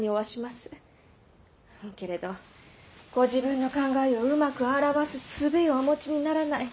けれどご自分の考えをうまく表す術をお持ちにならない。